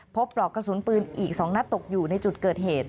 ปลอกกระสุนปืนอีก๒นัดตกอยู่ในจุดเกิดเหตุ